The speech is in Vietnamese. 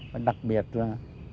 và đặc biệt là